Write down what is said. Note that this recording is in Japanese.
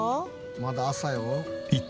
まだ朝よ。